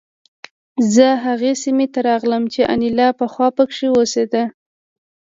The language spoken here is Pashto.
زه هغې سیمې ته راغلم چې انیلا پخوا پکې اوسېده